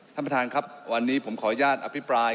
ท่านประธานครับวันนี้ผมขออนุญาตอภิปราย